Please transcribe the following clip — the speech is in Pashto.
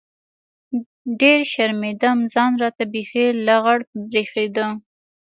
ډېر شرمېدم ځان راته بيخي لغړ بريښېده.